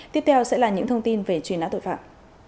tiếp theo sẽ là những thông tin về truy nã tội phạm